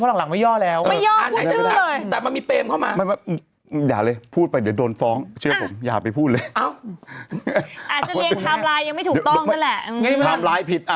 เขาหลังไม่ย่อแล้วไม่ย่อผู้ชื่อเลย